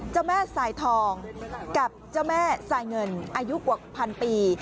เจ้าแม่สายทองกับเจ้าแม่สายเงินอายุกว่าพันปี